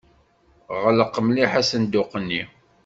Ɣleq mliḥ asenduq-nni.